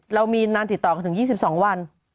เรามีนานติดต่อกันถึง๒๒วัน